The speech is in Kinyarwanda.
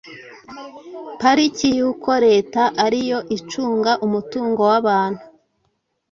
Politiki y’uko Leta ari yo icunga umutungo w’abantu